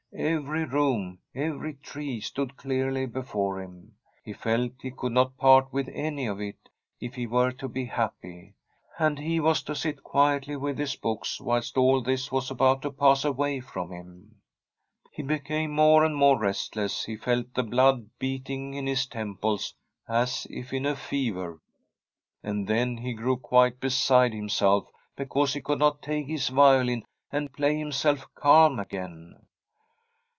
Every room, every tree, stood clearly before him. He felt he could not part with any of it if he were to be happy. And he was to sit quietly with his lK>okt whilst all this was about to pass away from him. He became more and more restless; he felt the blood beating in his temples as if in a fever. And then he grew quite beside himself because he could not take his violin and play himself calm again.